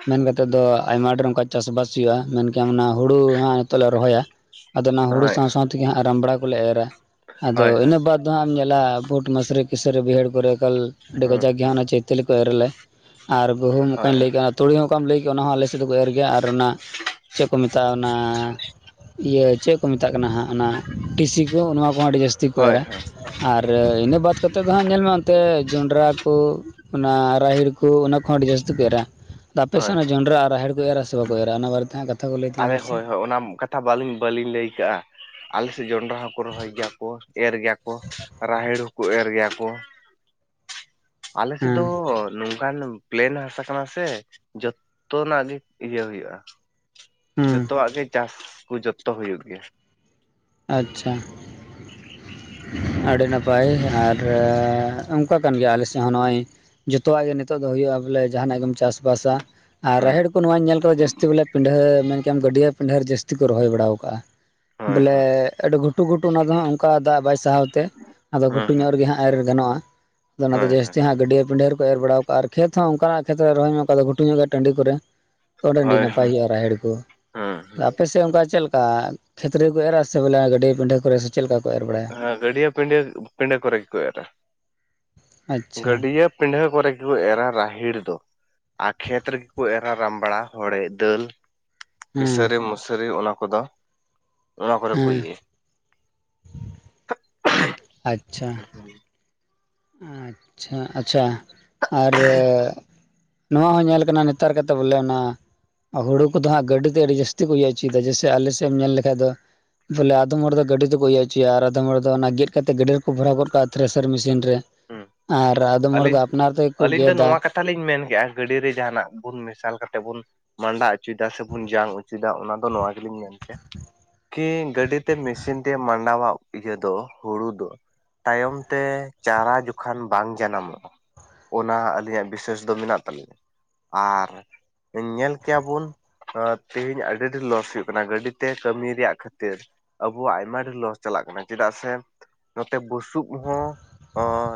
ᱢᱮᱱ ᱠᱟᱛᱮᱫ ᱫᱚ ᱟᱭᱢᱟ ᱰᱷᱮᱨ ᱚᱱᱠᱟ ᱪᱟᱥ ᱵᱟᱥ ᱦᱳᱭᱳᱜᱼᱟ ᱢᱮᱱ ᱠᱮᱭᱟᱢ ᱚᱱᱟ ᱦᱳᱲᱳ ᱦᱟᱸᱜ ᱱᱤᱛᱚᱜ ᱞᱮ ᱨᱚᱦᱚᱭᱟ ᱟᱫᱚ ᱚᱱᱟ ᱦᱳᱲᱳ ᱦᱳᱭ ᱥᱟᱶ ᱥᱟᱶ ᱛᱮᱜᱮ ᱦᱟᱸᱜ ᱨᱟᱢᱲᱟ ᱠᱚᱞᱮ ᱮᱨᱟ ᱟᱫᱚ ᱦᱳᱭ ᱦᱳᱭ ᱤᱱᱟᱹ ᱵᱟᱫᱽ ᱫᱚ ᱦᱟᱸᱜ ᱮᱢ ᱧᱮᱞᱟ ᱵᱷᱩᱴ ᱢᱟᱹᱥᱨᱤ [unintelligible] ᱵᱟᱹᱭᱦᱟᱹᱲ ᱠᱚᱨᱮ ᱮᱠᱟᱞ ᱟᱹᱰᱤ ᱦᱩᱸ ᱠᱟᱡᱟᱠ ᱜᱮ ᱦᱩᱸ ᱚᱱᱟ ᱪᱟᱹᱭᱛᱟᱹᱞᱤ ᱠᱚ ᱮᱨ ᱟᱞᱮ ᱟᱨ ᱜᱩᱦᱩᱢ ᱦᱳᱭ ᱚᱠᱟᱹᱧ ᱞᱟᱹᱭ ᱠᱮᱫᱟ ᱛᱩᱲᱤ ᱚᱠᱟᱢ ᱞᱟᱹᱭ ᱠᱮᱫᱼᱟ ᱚᱱᱟ ᱦᱚᱸ ᱟᱞᱮ ᱥᱮᱫ ᱫᱚᱠᱚ ᱮᱨ ᱜᱮᱭᱟ ᱟᱨ ᱚᱱᱟ ᱪᱮᱫ ᱠᱚ ᱢᱮᱛᱟᱜᱼᱟ ᱚᱱᱟ ᱤᱭᱟᱹ ᱪᱮᱫ ᱠᱚ ᱢᱮᱛᱟᱜ ᱠᱟᱱᱟ ᱦᱟᱸᱜ ᱚᱱᱟ ᱴᱤᱥᱤ ᱠᱚ ᱱᱚᱣᱟ ᱠᱚᱦᱚᱸ ᱟᱹᱰᱤ ᱡᱟᱹᱥᱛᱤ ᱠᱚ ᱦᱳᱭ ᱮᱨᱟ ᱦᱳᱭ ᱟᱨ ᱤᱱᱟᱹ ᱵᱟᱫᱽ ᱠᱟᱛᱮᱫ ᱫᱚ ᱦᱟᱸᱜ ᱧᱮᱞ ᱢᱮ ᱛᱮ ᱡᱚᱸᱱᱰᱨᱟ ᱠᱚ ᱚᱱᱟ ᱨᱟᱦᱮᱲ ᱠᱚ ᱚᱱᱟ ᱠᱚᱦᱚᱸ ᱟᱹᱰᱤ ᱡᱟᱹᱥᱛᱤ ᱠᱚ ᱮᱨᱟ ᱟᱯᱮ ᱦᱳᱭ ᱥᱮᱱ ᱚᱱᱟ ᱡᱚᱸᱰᱨᱟ ᱟᱨ ᱨᱟᱦᱮᱲ ᱠᱚ ᱮᱨᱟ ᱥᱮ ᱵᱟ ᱠᱚ ᱮᱨᱟ ᱚᱱᱟ ᱵᱟᱨᱮ ᱛᱮ [unintelligible] ᱦᱳᱭ ᱦᱳᱭ ᱚᱱᱟ ᱠᱟᱛᱷᱟ ᱵᱟᱹᱞᱤ ᱵᱟᱹᱞᱤᱧ ᱞᱟᱹᱭ ᱟᱠᱟᱜᱼᱟ ᱟᱞᱮ ᱥᱮᱫ ᱡᱚᱸᱱᱰᱨᱟ ᱦᱚᱸᱠᱚ ᱨᱚᱦᱚᱭ ᱜᱮᱭᱟ ᱠᱚ ᱮᱨ ᱜᱮᱭᱟ ᱠᱚ ᱨᱟᱦᱮᱲ ᱦᱚᱸᱠᱚ ᱮᱨ ᱜᱮᱭᱟ ᱠᱚ ᱟᱞᱮ ᱥᱮᱫ ᱦᱮᱸ ᱫᱚ ᱚᱱᱠᱟᱱ ᱯᱞᱮᱱ ᱦᱟᱥᱟ ᱠᱟᱱᱟ ᱥᱮ ᱡᱚᱛᱚᱱᱟᱜ ᱜᱮ ᱤᱭᱟᱹ ᱦᱩᱭᱩᱜᱼᱟ ᱦᱮᱸ ᱡᱚᱛᱚᱣᱟᱜ ᱜᱮ ᱪᱟᱥ ᱠᱚ ᱡᱚᱛᱚ ᱦᱩᱭᱩᱜ ᱜᱮᱭᱟ ᱟᱪᱪᱷᱟ ᱟᱹᱰᱤ [unintelligible] ᱱᱟᱯᱟᱭ ᱟᱨ ᱚᱱᱠᱟ ᱠᱟᱱ ᱜᱮᱭᱟ ᱟᱞᱮ ᱥᱮᱫ ᱦᱚᱸ ᱱᱚᱜᱼᱚᱭ ᱡᱚᱛᱚᱣᱟᱜ ᱜᱮ ᱱᱤᱛᱚᱜ ᱫᱚ ᱦᱩᱭᱩᱜᱼᱟ ᱵᱚᱞᱮ ᱡᱟᱦᱟᱱᱟᱜ ᱜᱮᱢ ᱪᱟᱥ ᱵᱟᱥᱼᱟ ᱟᱨ ᱦᱩᱸ ᱨᱟᱦᱮᱲ ᱠᱚ ᱱᱚᱣᱟᱹᱧ ᱧᱮᱞ ᱠᱟᱫᱟ ᱡᱟᱹᱥᱛᱤ ᱵᱚᱞᱮ ᱯᱤᱰᱷᱟᱹ ᱢᱮᱱ ᱜᱟᱹᱰᱭᱟᱹ ᱯᱤᱰᱷᱟᱹ ᱡᱟᱹᱥᱛᱤ ᱠᱚ ᱨᱚᱦᱚᱭ ᱵᱟᱲᱟ ᱟᱠᱟᱜᱼᱟ ᱦᱳᱭ ᱵᱚᱞᱮ ᱦᱳᱭ ᱟᱹᱰᱤ ᱜᱷᱩᱴᱩ ᱜᱷᱩᱴᱩ ᱚᱱᱟ ᱫᱚ ᱦᱟᱸᱜ ᱚᱱᱠᱟ ᱫᱟᱜ ᱵᱟᱭ ᱥᱟᱦᱟᱣ ᱛᱮ ᱟᱫᱚ ᱦᱮᱸ ᱜᱷᱩᱴᱩ ᱦᱮᱸ ᱧᱚᱜ ᱨᱮᱜᱮ ᱦᱟᱸᱜ ᱮᱨ ᱜᱟᱱᱚᱜᱼᱟ ᱟᱫᱚ ᱚᱱᱟ ᱫᱚ ᱦᱳᱭ ᱦᱳᱭ ᱡᱟᱹᱥᱛᱤ ᱦᱟᱸᱜ ᱜᱟᱹᱭᱟᱹ ᱯᱤᱰᱷᱟᱹ ᱨᱮᱠᱚ ᱮᱨ ᱵᱟᱲᱟᱣ ᱟᱨ ᱠᱷᱮᱛ ᱦᱚᱸ ᱚᱱᱠᱟ ᱱᱟᱜ ᱠᱷᱮᱛ ᱨᱮ ᱨᱚᱦᱚᱭ ᱢᱮ ᱚᱱᱠᱟ ᱫᱚ ᱜᱷᱩᱴᱩ ᱧᱚᱜ ᱜᱮᱭᱟ ᱴᱟᱺᱰᱤ ᱠᱚᱨᱮ ᱛᱚ [unintelligible] ᱦᱳᱭ ᱱᱟᱯᱟᱭ ᱦᱳᱭ ᱦᱩᱭᱩᱜᱼᱟ ᱨᱟᱦᱮᱲ ᱠᱚ ᱦᱮᱸ ᱦᱮᱸ ᱟᱯᱮ ᱥᱮᱫ ᱚᱱᱠᱟ ᱪᱮᱫ ᱞᱮᱠᱟ ᱠᱷᱮᱛ ᱨᱮ ᱠᱚ ᱮᱨᱟ ᱥᱮ ᱵᱚᱞᱮ ᱜᱟᱹᱰᱤᱭᱟᱹ ᱯᱤᱱᱰᱷᱟᱹ ᱠᱚᱨᱮ ᱥᱮ ᱪᱮᱫ ᱞᱮᱠᱟ ᱠᱚ ᱮᱨ ᱵᱟᱲᱟᱭᱟ ᱦᱮᱸ ᱜᱟᱹᱰᱭᱟᱹ ᱯᱤᱱᱰᱷᱟᱹ ᱠᱚᱨᱮ ᱜᱮᱠᱚ ᱮᱨᱟ ᱟᱪᱪᱷᱟ ᱜᱟᱹᱰᱭᱟᱹ ᱯᱤᱰᱷᱟᱹ ᱠᱚᱨᱮ ᱜᱮ ᱠᱚ ᱮᱨᱟ ᱨᱟᱦᱮᱲ ᱫᱚ ᱟᱨ ᱠᱷᱮᱛ ᱨᱮᱜᱮ ᱠᱚ ᱮᱨᱟ ᱨᱟᱢᱵᱽᱲᱟ ᱦᱚᱲᱮᱡ ᱫᱟᱹᱞ ᱦᱮᱸ ᱠᱤᱥᱟᱹᱨᱤ ᱢᱟᱹᱥᱨᱤ ᱚᱱᱟ ᱠᱚᱫᱚ ᱱᱚᱣᱟ ᱠᱚᱨᱮ ᱠᱚ ᱦᱮᱸ ᱮ [inaudible] ᱟᱪᱪᱷᱟ ᱦᱮᱸ ᱟᱪᱪᱷᱟ ᱟᱪᱪᱷᱟ ᱟᱨ ᱱᱚᱣᱟ ᱦᱚᱸ ᱧᱮᱞ ᱠᱟᱱᱟ ᱱᱮᱛᱟᱨ ᱠᱟᱛᱮᱜ ᱵᱚᱞᱮ ᱚᱱᱟ ᱦᱩᱲᱩ ᱠᱚᱫᱚ ᱦᱟᱸᱜ ᱜᱟᱹᱰᱤ ᱛᱮ ᱟᱹᱰᱤ ᱡᱟᱹᱥᱛᱤ ᱠᱚ ᱤᱭᱟᱹ ᱚᱪᱚᱭᱮᱫᱟ ᱡᱮᱭᱥᱮ ᱟᱞᱮᱥᱮᱫ ᱮᱢ ᱧᱮᱞ ᱞᱮᱠᱷᱟᱡ ᱫᱚ ᱵᱚᱞᱮ ᱟᱫᱚᱢ ᱦᱚᱲ ᱫᱚ ᱜᱟᱹᱰᱤ ᱛᱮᱠᱚ ᱤᱭᱟᱹ ᱚᱪᱚᱭᱟ ᱟᱨ ᱟᱫᱚᱢ ᱦᱚᱲ ᱫᱚ ᱚᱱᱟ ᱜᱮᱫ ᱠᱟᱛᱮ ᱜᱟᱹᱰᱤ ᱨᱮᱠᱚ ᱵᱷᱚᱨᱟᱣ ᱜᱚᱫ ᱠᱟᱜᱼᱟ ᱛᱷᱨᱮᱥᱟᱨ ᱢᱤᱥᱤᱱ ᱨᱮ ᱦᱮᱸ ᱟᱨ ᱟᱫᱚᱢ ᱦᱚᱲ ᱫᱚ ᱟᱯᱱᱟᱨ ᱛᱮᱠᱚ ᱜᱮᱫᱟ ᱱᱚᱣᱟ ᱠᱟᱛᱷᱟ ᱞᱤᱧ ᱢᱮᱱ ᱠᱮᱫᱼᱟ ᱜᱟᱹᱰᱮ ᱡᱟᱦᱟᱱᱟᱜ ᱵᱚᱱ ᱢᱮᱥᱟᱞ ᱠᱟᱛᱮᱜ ᱵᱚᱱ ᱢᱟᱸᱰᱟ ᱚᱪᱚᱭᱮᱫᱟ ᱥᱮᱵᱚᱱ ᱡᱟᱝ ᱚᱪᱚᱭᱮᱫᱟ ᱚᱱᱟ ᱫᱚ ᱱᱚᱣᱟ ᱜᱮᱞᱤᱧ ᱢᱮᱱ ᱠᱮᱭᱟ ᱠᱤ ᱜᱟᱹᱰᱤ ᱛᱮ ᱢᱤᱥᱤᱱ ᱛᱮ ᱢᱟᱸᱰᱟᱣᱟᱜ ᱤᱭᱟᱹ ᱫᱚ ᱦᱩᱲᱩ ᱫᱚ ᱛᱟᱭᱚᱢ ᱛᱮ ᱪᱟᱨᱟ ᱡᱚᱠᱷᱟᱱ ᱵᱟᱝ ᱡᱟᱱᱟᱢᱚᱜᱼᱟ ᱚᱱᱟ ᱟᱹᱞᱤᱧᱟᱜ ᱵᱤᱥᱮᱥ ᱫᱚ ᱢᱮᱱᱟᱜ ᱛᱟᱹᱞᱤᱧᱭᱟ ᱟᱨ ᱧᱮᱞ ᱠᱮᱭᱟᱵᱚᱱ ᱛᱮᱦᱮᱧ ᱟᱹᱰᱤ ᱰᱷᱮᱨ ᱞᱚᱥ ᱦᱩᱭᱩᱜ ᱠᱟᱱᱟ ᱜᱟᱹᱰᱤᱛᱮ ᱠᱟᱹᱢᱤ ᱨᱮᱭᱟᱜ ᱠᱷᱟᱹᱛᱤᱨ ᱟᱵᱚᱣᱟᱜ ᱟᱭᱢᱟ ᱰᱷᱮᱨ ᱞᱚᱥ ᱪᱟᱞᱟᱜ ᱠᱟᱱᱟ ᱪᱮᱫᱟᱜ ᱥᱮ ᱱᱚᱛᱮ ᱵᱩᱥ ᱵᱩᱥᱩᱵ ᱦᱚᱸ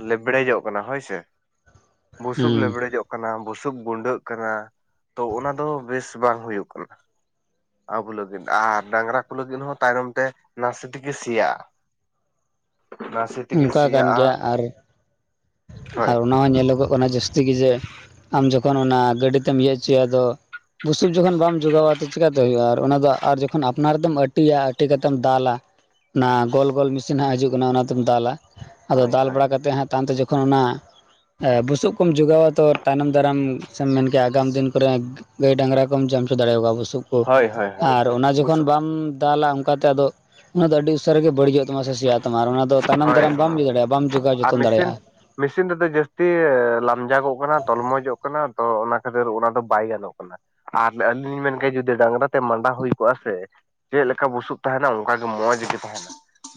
ᱞᱮᱵᱽᱲᱮᱡᱚᱜ ᱠᱟᱱᱟ ᱦᱳᱭ ᱥᱮ ᱵᱩᱥᱩᱵ ᱦᱮᱸ ᱞᱮᱵᱽᱲᱮᱡᱚᱜ ᱠᱟᱱᱟ ᱵᱩᱥᱩᱵ ᱜᱩᱸᱰᱟᱹᱜ ᱠᱟᱱᱟ ᱛᱚ ᱚᱱᱟ ᱫᱚ ᱵᱮᱥ ᱵᱟᱝ ᱦᱩᱭᱩᱜ ᱠᱟᱱᱟ ᱟᱵᱚ ᱞᱟᱹᱜᱤᱫ ᱟᱨ ᱰᱟᱝᱨᱟᱠᱚ ᱞᱟᱹᱜᱤᱫ ᱦᱚᱸ ᱛᱟᱭᱱᱚᱢ ᱛᱮ ᱱᱟᱥᱮ ᱛᱮᱜᱮ ᱥᱮᱭᱟᱜᱼᱟ ᱱᱟᱥᱮ ᱛᱮᱜᱮ ᱚᱱᱠᱟ ᱠᱟᱱ ᱜᱮᱭᱟ ᱥᱮᱭᱟᱜᱼᱟ ᱟᱨ ᱦᱳᱭ ᱟᱨ ᱚᱱᱟᱦᱚᱸ ᱧᱮᱞᱚᱜᱚᱜ ᱠᱟᱱᱟ ᱡᱟᱹᱥᱛᱤ ᱜᱮ ᱡᱮ ᱟᱢ ᱡᱚᱠᱷᱚᱱ ᱚᱱᱟ ᱜᱟᱹᱰᱤ ᱛᱮᱢ ᱤᱭᱟᱹ ᱚᱪᱚᱭᱟ ᱟᱫᱚ ᱵᱩᱥᱩᱵ ᱡᱚᱠᱷᱚᱱ ᱵᱟᱢ ᱡᱚᱜᱟᱣᱟ ᱛᱚ ᱪᱮᱠᱟᱛᱮ ᱦᱩᱭᱩᱜᱼᱟ ᱟᱨ ᱚᱱᱟ ᱫᱚ ᱟᱨ ᱡᱚᱠᱷᱚᱱ ᱟᱯᱱᱟᱨ ᱛᱮᱢ ᱟᱹᱴᱤᱭᱟ ᱟᱹᱴᱤ ᱠᱟᱛᱮᱢ ᱫᱟᱞᱟ ᱚᱱᱟ ᱜᱳᱞ ᱜᱳᱞ ᱢᱤᱥᱤᱱ ᱦᱟᱸᱜ ᱦᱤᱡᱩᱜ ᱠᱟᱱᱟ ᱚᱱᱟᱛᱮᱢ ᱫᱟᱞᱟ ᱟᱫᱚ ᱦᱳᱭ ᱫᱟᱞ ᱦᱳᱭ ᱵᱟᱲᱟ ᱠᱟᱛᱮᱜ ᱦᱟᱸᱜ ᱛᱟᱭᱚᱢᱛᱮ ᱡᱚᱠᱷᱚᱱ ᱛᱚᱠᱷᱚᱱ ᱚᱱᱟ ᱵᱩᱥᱩᱵ ᱠᱚᱢ ᱡᱚᱜᱟᱣᱟ ᱛᱚ ᱛᱟᱭᱱᱚᱢ ᱫᱟᱨᱟᱢ ᱥᱮᱢ ᱢᱮᱱᱠᱮᱭᱟ ᱟᱜᱟᱢ ᱫᱤᱱ ᱠᱚᱨᱮ ᱜᱟᱹᱭ ᱰᱟᱝᱨᱟ ᱠᱚᱢ ᱡᱚᱢ ᱚᱪᱚ ᱫᱟᱲᱮᱣᱟ ᱠᱚᱣᱟ ᱵᱚᱥᱩᱵ ᱵᱩᱥᱩᱵ ᱠᱚ ᱦᱳᱭ ᱦᱳᱭ ᱦᱳᱭ ᱟᱨ ᱚᱱᱟ ᱡᱚᱠᱷᱚᱱ ᱵᱩᱥᱩᱵ ᱵᱟᱢ ᱫᱟᱞᱟ ᱚᱱᱠᱟᱛᱮ ᱟᱫᱚ ᱚᱱᱟ ᱫᱚ ᱟᱹᱰᱤ ᱩᱥᱟᱹᱨᱟ ᱜᱮ ᱵᱟᱹᱲᱤᱡᱚᱜ ᱛᱟᱢᱟ ᱛᱟᱢᱟ ᱥᱮᱭᱟᱜ ᱛᱟᱢ ᱟᱨ ᱚᱱᱟ ᱫᱚ ᱛᱟᱭᱱᱚᱢ ᱦᱳᱭ ᱫᱟᱨᱟᱢ ᱵᱟᱢ ᱤᱭᱟᱹ ᱫᱟᱲᱮᱭᱟᱜᱼᱟ ᱵᱟᱢ ᱡᱚᱜᱟᱣ ᱡᱚᱛᱚᱱ ᱫᱟᱲᱮᱭᱟᱜᱼᱟ ᱢᱤᱥᱤᱱ ᱛᱮᱫᱚ ᱡᱟᱹᱥᱛᱤ ᱞᱟᱢᱡᱟᱜᱚᱜ ᱠᱟᱱᱟ ᱛᱚᱞᱢᱚᱡᱚᱜ ᱠᱟᱱᱟ ᱛᱚ ᱚᱱᱟ ᱠᱷᱟᱹᱛᱤᱨ ᱚᱱᱟ ᱫᱚ ᱵᱟᱭ ᱜᱟᱱᱚᱜ ᱠᱟᱱᱟ ᱟᱨ ᱟᱹᱞᱤᱧ ᱞᱤᱧ ᱢᱮᱱ ᱠᱮᱜᱼᱟ ᱡᱩᱫᱤ ᱰᱟᱝᱨᱟ ᱛᱮ ᱢᱟᱸᱰᱟ ᱦᱩᱭ ᱠᱚᱜᱼᱟ ᱥᱮ ᱪᱮᱫ ᱞᱮᱠᱟ ᱵᱩᱥᱩᱵ ᱛᱟᱦᱮᱸᱱᱟ ᱚᱱᱠᱟᱜᱮ ᱢᱚᱡᱽ ᱜᱮ ᱛᱟᱦᱮᱸᱱᱟ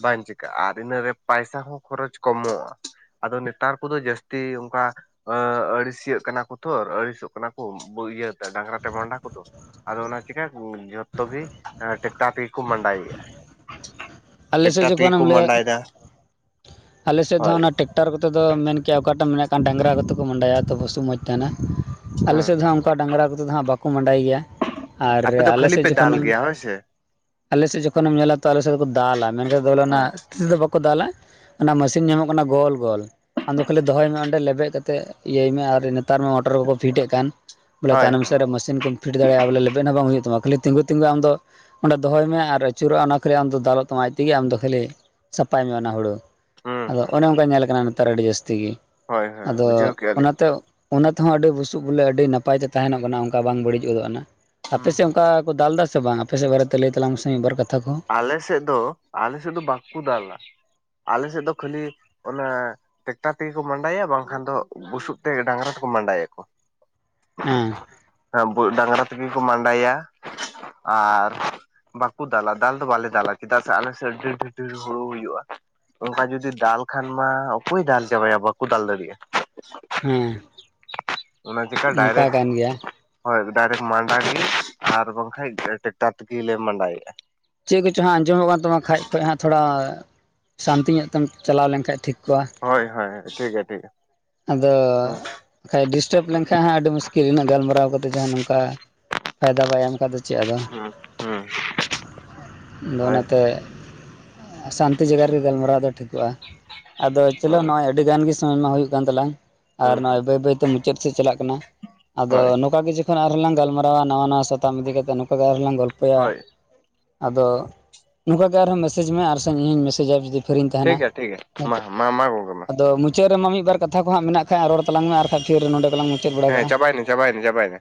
ᱵᱟᱝ ᱪᱤᱠᱟᱹᱜᱼᱟ ᱟᱨ ᱤᱱᱟᱹᱨᱮ ᱯᱚᱭᱥᱟ ᱦᱚᱸ ᱠᱷᱚᱨᱚᱪ ᱠᱚᱢᱚᱜᱼᱟ ᱟᱫᱚ ᱱᱮᱛᱟᱨ ᱠᱚᱫᱚ ᱡᱟᱹᱥᱛᱤ ᱚᱱᱠᱟ ᱟᱹ ᱟᱹᱲᱤᱥᱤᱭᱟᱹᱜ ᱠᱟᱱᱟ ᱠᱚ ᱛᱷᱚᱨ ᱟᱹᱲᱤᱥᱚᱜ ᱠᱟᱱᱟ ᱠᱚ ᱤᱭᱟᱹᱛᱮ ᱰᱟᱝᱨᱟ ᱛᱮ ᱢᱟᱸᱰᱟ ᱠᱚᱫᱚ ᱟᱫᱚ ᱚᱱᱟ ᱪᱤᱠᱟᱭᱟᱠᱚ ᱡᱚᱛᱚ ᱜᱮ ᱴᱮᱠᱴᱟᱨ ᱛᱮᱜᱮ ᱠᱚ ᱢᱟᱸᱰᱟᱭᱮᱫ-ᱟ ᱟᱞᱮᱥᱮᱫ ᱡᱚᱠᱷᱚᱱᱮᱢ ᱞᱟᱹᱭᱟ ᱢᱟᱸᱰᱟᱭᱮᱫᱟ ᱟᱞᱮᱥᱮᱫ ᱫᱚ ᱦᱳᱭ ᱚᱱᱟ ᱴᱮᱠᱴᱟᱨ ᱴᱟᱠᱴᱟᱨ ᱠᱚᱛᱮ ᱫᱚ ᱢᱮᱱ ᱠᱮᱭᱟ ᱚᱠᱟᱴᱟᱜ ᱮᱢ ᱢᱮᱱᱮᱜ ᱠᱟᱱ ᱰᱟᱝᱨᱟ ᱠᱚᱛᱮ ᱠᱚ ᱢᱟᱸᱰᱟᱭᱟ ᱛᱚ ᱵᱚᱥᱩᱵ ᱢᱚᱡᱽ ᱛᱟᱦᱮᱸᱱᱟ ᱟᱞᱮ ᱦᱮᱸ ᱥᱮᱫ ᱫᱚ ᱚᱱᱠᱟ ᱰᱟᱝᱨᱟ ᱠᱚᱛᱮ ᱫᱚ ᱦᱟᱸᱜ ᱵᱟᱠᱚ ᱢᱟᱸᱰᱟᱭ ᱜᱮᱭᱟ ᱟᱨ ᱟᱯᱮ ᱫᱚ ᱟᱞᱮ ᱠᱷᱟᱹᱞᱤ ᱥᱮᱫ ᱯᱮ ᱫᱟᱞ ᱡᱚᱠᱷᱚᱱᱮᱢ ᱜᱮᱭᱟ ᱦᱳᱭ ᱥᱮ ᱟᱞᱮᱥᱮᱫ ᱡᱚᱠᱷᱚᱱᱮᱢ ᱧᱮᱞᱟ ᱛᱚ ᱟᱞᱮ ᱥᱮᱫ ᱫᱚ ᱫᱟᱞᱟ ᱢᱮᱱᱠᱷᱟᱱ ᱫᱚ ᱦᱳᱭ ᱚᱱᱟ ᱛᱤ ᱛᱮ ᱫᱚ ᱵᱟᱠᱚ ᱫᱟᱞᱟ ᱚᱱᱟ ᱢᱤᱥᱤᱱ ᱧᱟᱢᱚᱜ ᱠᱟᱱᱟ ᱜᱳᱞ ᱜᱳᱞ ᱟᱢᱫᱚ ᱠᱷᱟᱹᱞᱤ ᱫᱚᱦᱚᱭ ᱢᱮ ᱚᱸᱰᱮ ᱞᱮᱵᱮᱫ ᱠᱟᱛᱮᱜ ᱤᱭᱟᱹᱭ ᱢᱮ ᱟᱨ ᱱᱮᱛᱟᱨ ᱢᱟ ᱢᱚᱴᱚᱨ ᱠᱚᱠᱚ ᱯᱷᱤᱴ ᱮᱫ ᱠᱟᱱ ᱵᱚᱞᱮ ᱦᱳᱭ ᱛᱟᱭᱱᱚᱢ ᱦᱳᱭ ᱥᱮᱫ ᱨᱮ ᱢᱤᱥᱤᱱ ᱠᱚ ᱯᱷᱤᱴ ᱫᱟᱲᱮᱭᱟᱜᱼᱟ ᱵᱚᱞᱮ ᱞᱮᱵᱮᱫ ᱦᱚᱸ ᱵᱟᱝ ᱦᱩᱭᱩᱜ ᱛᱟᱢᱟ ᱠᱷᱟᱹᱞᱤ ᱛᱤᱸᱜᱩ ᱛᱤᱸᱜᱩ ᱟᱢ ᱫᱚ ᱚᱸᱰᱮ ᱫᱚᱦᱚᱭ ᱢᱮ ᱟᱨ ᱟᱹᱪᱩᱨᱚᱜᱼᱟ ᱚᱱᱟ ᱠᱷᱟᱹᱞᱤ ᱟᱢ ᱫᱚ ᱫᱟᱞ ᱛᱚᱢᱟᱡᱽ ᱛᱮᱜᱮ ᱟᱢᱫᱚ ᱠᱷᱟᱹᱞᱤ ᱥᱟᱯᱷᱟᱭ ᱢᱮ ᱚᱱᱟ ᱦᱩᱲᱩ ᱦᱩᱸ ᱟᱫᱚ ᱦᱩᱸ ᱚᱱᱮ ᱚᱱᱠᱟ ᱧᱮᱞ ᱟᱠᱟᱱᱟ ᱛᱟᱨ ᱟᱹᱰᱤ ᱡᱟᱹᱥᱛᱤ ᱜᱤ ᱦᱳᱭ ᱦᱳᱭ ᱟᱫᱚ ᱵᱩᱡᱷᱟᱹᱣ ᱠᱮᱜᱼᱟ ᱞᱤᱧ ᱚᱱᱟᱛᱮ ᱚᱱᱟ ᱛᱮᱦᱚᱸ ᱟᱹᱰᱤ ᱵᱩᱥᱩᱵ ᱵᱚᱞᱮ ᱟᱹᱰᱤ ᱱᱟᱯᱟᱭ ᱛᱮ ᱛᱟᱦᱮᱱᱚᱜ ᱠᱟᱱᱟ ᱚᱱᱠᱟ ᱵᱟᱝ ᱵᱟᱹᱲᱤᱡᱚᱜ ᱠᱟᱱᱟ ᱟᱯᱮ ᱦᱩᱸ ᱥᱮᱫ ᱦᱩᱸ ᱚᱱᱠᱟ ᱠᱚ ᱫᱟᱞ ᱫᱟ ᱥᱮ ᱵᱟᱝ ᱟᱯᱮ ᱥᱮᱫ ᱵᱟᱨᱮᱛᱮ ᱞᱟᱹᱭ ᱛᱟᱞᱟᱝ ᱢᱮ ᱥᱮ ᱢᱤᱫᱵᱟᱨ ᱠᱟᱛᱷᱟ ᱠᱚ ᱟᱞᱮ ᱥᱮᱫ ᱫᱚ ᱟᱞᱮ ᱥᱮᱫ ᱫᱚ ᱵᱟᱠᱩ ᱫᱟᱞᱟ ᱟᱞᱮ ᱥᱮᱫ ᱫᱚ ᱠᱷᱟᱹᱞᱤ ᱚᱱᱟ ᱴᱮᱠᱴᱟᱨ ᱛᱮᱜᱮ ᱠᱚ ᱢᱟᱸᱰᱟᱭᱟ ᱵᱟᱝᱠᱷᱟᱱ ᱫᱚ ᱵᱩᱥᱩᱵ ᱛᱮ ᱰᱟᱝᱨᱟ ᱛᱮᱠᱚ ᱢᱟᱸᱰᱟᱭᱟ ᱠᱚ [unintelligible] ᱦᱮᱸ [unintelligible] ᱰᱟᱝᱨᱟ ᱛᱤᱜᱮ ᱠᱩ ᱢᱟᱰᱟᱭᱟ ᱟᱨ ᱵᱟᱠᱚ ᱫᱟᱞᱟ ᱫᱟᱞ ᱫᱚ ᱵᱟᱞᱮ ᱫᱟᱞᱟ ᱪᱮᱫᱟᱜ ᱥᱮ ᱟᱞᱮ ᱥᱮ ᱰᱷᱤᱨ ᱰᱷᱤᱨ ᱦᱩᱲᱩ ᱦᱩᱭᱩᱜᱼᱟ ᱚᱱᱠᱟ ᱡᱩᱫᱤ ᱫᱟᱞ ᱠᱷᱟᱱ ᱢᱟ ᱚᱠᱚᱭ ᱫᱟᱞ ᱪᱟᱵᱟᱭᱟ ᱵᱟᱠᱚ ᱫᱟᱞ ᱫᱟᱲᱤᱜᱼᱟ ᱦᱮᱸ ᱚᱱᱟ ᱪᱮᱠᱟ ᱚᱱᱠᱟ ᱰᱟᱭᱨᱮᱴ ᱠᱟᱱ ᱜᱮᱭᱟ ᱦᱳᱭ ᱰᱟᱭᱨᱮᱴ ᱢᱟᱸᱰᱟ ᱠᱮᱜ ᱜᱮ ᱟᱨ ᱵᱟᱝᱠᱷᱟᱡ ᱴᱨᱟᱠᱴᱟᱨ ᱛᱮᱜᱮ ᱞᱤ ᱢᱟᱸᱰᱟᱭᱮᱫᱼᱟ ᱪᱤᱜ ᱠᱚᱪᱚ ᱦᱟᱸᱜ ᱟᱸᱡᱚᱢᱚᱜ ᱠᱟᱱ ᱛᱟᱢᱟ ᱠᱷᱟᱡ ᱠᱷᱚᱡ ᱦᱟᱸᱜ ᱛᱷᱚᱲᱟ ᱥᱟᱱᱛᱤ ᱧᱚᱜ ᱛᱮᱢ ᱪᱟᱞᱟᱣ ᱞᱮᱱ. ᱠᱷᱟᱡ ᱴᱷᱤᱠ ᱠᱚᱜᱼᱟ ᱦᱚᱭ ᱦᱚᱭ ᱴᱷᱤᱠ ᱜᱮ ᱴᱷᱤᱠ ᱜᱮ ᱟᱫᱚ ᱵᱟᱠᱷᱟᱡ ᱰᱤᱥᱴᱟᱵᱽ ᱞᱮᱱᱠᱷᱟᱡ ᱦᱟᱸᱜ ᱟᱹᱰᱤ ᱢᱩᱥᱠᱤᱞ ᱩᱱᱟᱹᱜ ᱜᱟᱞᱢᱟᱨᱟᱣ ᱠᱟᱛᱮᱜ ᱡᱟᱦᱟᱸ ᱱᱚᱝᱠᱟ ᱯᱷᱟᱭᱫᱟ ᱵᱟᱭ ᱮᱢ ᱠᱟᱫᱟ ᱫᱚ ᱪᱤᱫ ᱟᱫᱚ [inaudible] ᱫᱚ ᱦᱳᱭ ᱚᱱᱟᱛᱮ ᱥᱟᱱᱛᱤ ᱡᱟᱭᱜᱟ ᱨᱮᱜᱮ ᱜᱟᱞᱢᱟᱨᱟᱣ ᱫᱚ ᱴᱷᱤᱠᱚᱜᱼᱟ᱾ ᱟᱫᱚ ᱪᱚᱞᱚ ᱦᱳᱭ ᱱᱚᱜᱼᱚᱭ ᱟᱹᱰᱤ ᱜᱟᱱ ᱜᱮ ᱥᱩᱢᱟᱹᱭ ᱢᱟ ᱦᱳᱭᱳᱜ ᱠᱟᱱ ᱛᱟᱞᱟᱝ ᱟᱨ ᱦᱩᱸ ᱱᱚᱜᱼᱚᱭ ᱵᱟᱹᱭ ᱵᱟᱹᱭᱛᱮ ᱢᱩ ᱪᱮᱫ ᱥᱮᱫ ᱪᱟᱞᱟᱜ ᱠᱟᱱᱟ ᱟᱫᱚ ᱦᱳᱭ ᱱᱚᱝᱠᱟ ᱜᱮ [inaudible] ᱟᱨᱦᱚᱸᱞᱟᱝ ᱜᱟᱞᱢᱟᱨᱟᱣᱟ ᱱᱟᱣᱟ ᱱᱟᱣᱟ ᱥᱟᱛᱟᱢ ᱤᱫᱤ ᱠᱟᱛᱮ ᱱᱚᱠᱟ ᱜᱮ ᱟᱨᱦᱚᱸᱞᱟᱝ ᱜᱚᱞᱯᱚᱭᱟ ᱦᱳᱭ ᱟᱫᱚ ᱱᱚᱠᱟ ᱜᱮ ᱟᱨᱦᱚᱸ ᱢᱮᱥᱡᱽ ᱢᱮ ᱟᱨ ᱥᱮ ᱤᱧ ᱦᱚᱸᱧ ᱢᱮᱥᱮᱡᱟ ᱡᱩᱫᱤ ᱯᱷᱤᱨᱤᱧ ᱛᱟᱦᱮᱱᱟ ᱴᱷᱤᱠ ᱜᱮᱭᱟ ᱴᱷᱤᱠ ᱜᱮᱭᱟ ᱢᱟ ᱱᱤᱛᱚᱜ ᱢᱟ ᱢᱟ ᱜᱚᱝᱠᱮ ᱢᱟ ᱟᱫᱚ ᱢᱩ ᱢᱩᱪᱟᱹ ᱨᱮ ᱢᱟ ᱢᱤᱜᱵᱟᱨ ᱠᱟᱛᱷᱟ ᱠᱚ ᱦᱟᱸ ᱢᱮᱱᱟᱜ ᱠᱷᱟᱡ ᱨᱚᱲ ᱛᱟᱞᱟᱝ ᱢᱮ ᱟᱨ ᱠᱷᱟᱡ ᱯᱷᱮᱨ ᱱᱚᱰᱮ ᱜᱮᱞᱟᱝ ᱢᱩ ᱦᱮᱸ ᱪᱟᱵᱟᱭᱮᱱ ᱪᱟᱵᱟᱭᱮᱱ ᱪᱟᱵᱟᱭᱱᱟ